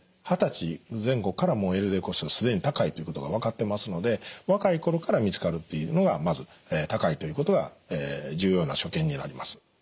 二十歳前後からもうＬＤＬコレステロールが既に高いということが分かってますので若い頃から見つかるというのがまず高いということが重要な所見になります。